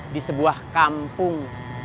di sebuah kampung